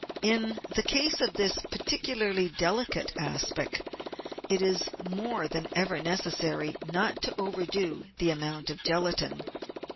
In the case of this particularly delicate aspic, it is more than ever necessary not to overdo the amount of gelatine.